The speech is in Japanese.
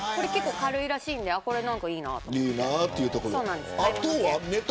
軽いらしいんでいいなと思って。